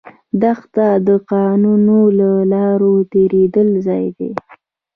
دښته د ناقانونه لارو تېرېدو ځای ده.